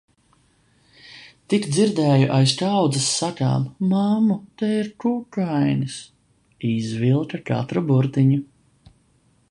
Tik dzirdēju aiz kaudzes sakām: "Mammu, te ir kukainis." Izvilka katru burtiņu.